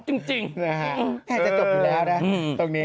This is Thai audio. แหม้นจะตบอยู่แล้วนะตรงนี้